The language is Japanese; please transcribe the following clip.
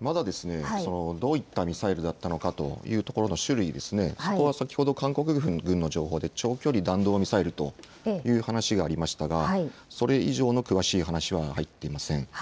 まだ、どういったミサイルだったのかというところの種類、そこは先ほど韓国軍の情報で長距離弾道ミサイルという話がありましたが、それ以上の詳しい話は入っていません。